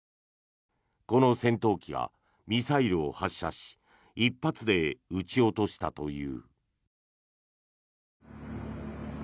この戦闘機がミサイルを発射し１発で撃ち落としたという。